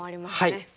はい。